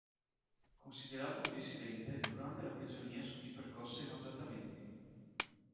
Considerato un dissidente, durante la prigionia subì percosse e maltrattamenti.